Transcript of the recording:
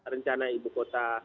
rencana ibu kota